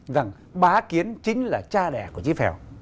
rằng bá kiến chính là cha đẻ của chí phèo